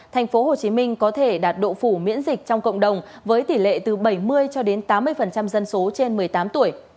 tp hcm có thể đạt độ phủ miễn dịch trong cộng đồng với tỷ lệ từ bảy mươi cho đến tám mươi dân số trên một mươi tám tuổi